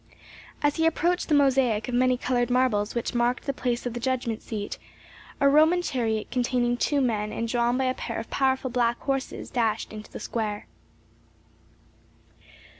As he approached the mosaic of many colored marbles which marked the place of the judgment seat, a Roman chariot containing two men and drawn by a pair of powerful black horses dashed into the square.